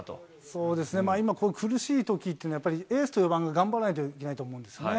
そうですね、今、苦しいときっていうのはやっぱり、エースと４番が頑張らないといけないと思うんですよね。